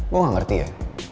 gue gak ngerti ya